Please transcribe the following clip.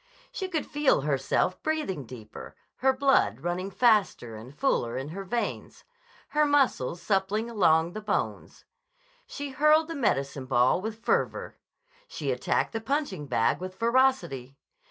She could feel herself breathing deeper, her blood running faster and fuller in her veins, her muscles suppling along the bones. She hurled the medicine ball with fervor. She attacked the punch ing bag with ferocity.